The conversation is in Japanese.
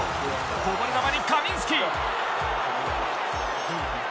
こぼれ球にカミンスキ。